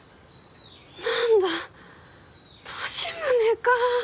何だ利宗か。